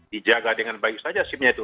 dijaga dengan baik saja sim nya itu